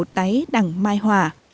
một tái đằng mai hòa